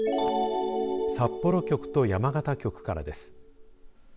札幌局と山形局からです。